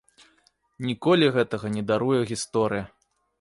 Ніколі гэтага не даруе гісторыя!